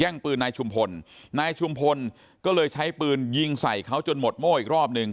ปืนนายชุมพลนายชุมพลก็เลยใช้ปืนยิงใส่เขาจนหมดโม่อีกรอบหนึ่ง